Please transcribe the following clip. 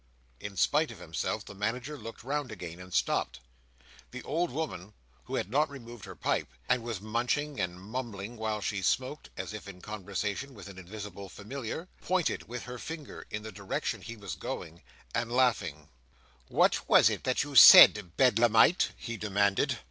In spite of himself, the Manager looked round again, and stopped. The old woman, who had not removed her pipe, and was munching and mumbling while she smoked, as if in conversation with an invisible familiar, pointed with her finger in the direction he was going, and laughed. "What was that you said, Bedlamite?" he demanded.